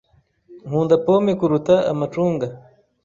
Nkunda pome kuruta amacunga